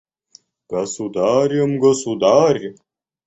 Государем, Государь.